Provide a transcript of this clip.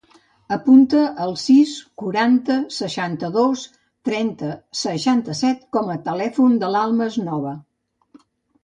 Apunta el sis, quaranta, seixanta-dos, trenta, seixanta-set com a telèfon de l'Almas Nova.